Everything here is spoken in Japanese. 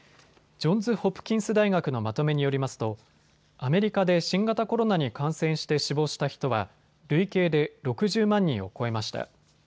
ジョンズ・ホプキンス大学のまとめによりますとアメリカで新型コロナに感染して死亡した人は累計で６０万人を超えました。